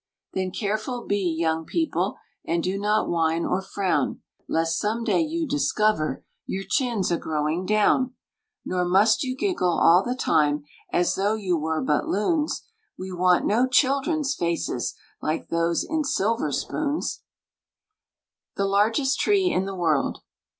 Then careful be, young people, And do not whine or frown, Lest some day you discover Your chin's a growing down. Nor must you giggle all the time As though you were but loons; We want no children's faces Like those in silver spoons. =The Largest Tree in the World.